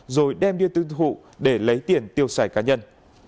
rồi đem điên tư thụ để lấy tiền tiêu sải cá nhân